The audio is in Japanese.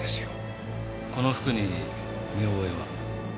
この服に見覚えは？